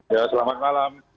ya selamat malam